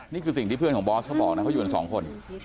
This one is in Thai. นี่คือสิ่งที่เพื่อนของบอสเขาบอกนะเขาอยู่กันสองคน